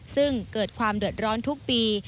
ซึ่งเกิดความเดือดร้อนทุกปี